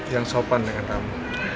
jangan sopan dengan kamu